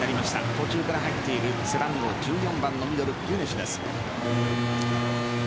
途中から入っている背番号１４番のミドルギュネシュです。